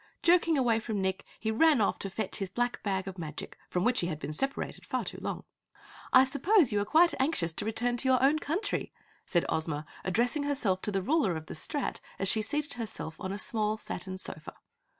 Jerking away from Nick, he ran off to fetch his black bag of magic, from which he had been separated far too long. "I suppose you are quite anxious to return to your own country," said Ozma, addressing herself to the Ruler of the Strat as she seated herself on a small, satin sofa.